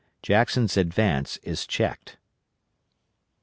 JACKSON'S ADVANCE IS CHECKED.